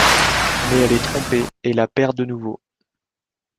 Mais elle est trompée et la perd de nouveau.